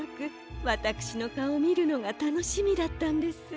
わたくしのかおをみるのがたのしみだったんです。